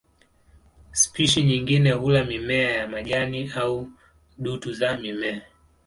Spishi nyingine hula mimea ya majini au dutu za mimea.